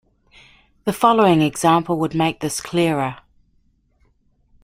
The following example would make this clearer.